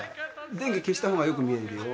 電気消した方がよく見えるよ。